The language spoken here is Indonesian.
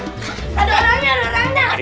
ada orangnya ada orangnya